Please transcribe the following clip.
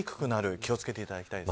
気を付けていただきたいです。